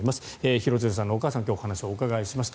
廣津留さんのお母さんに今日はお話をお伺いしました。